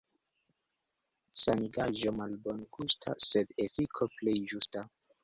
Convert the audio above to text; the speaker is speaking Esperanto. Sanigaĵo malbongusta, sed efiko plej ĝusta.